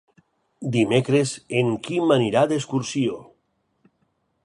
Dimecres en Quim anirà d'excursió.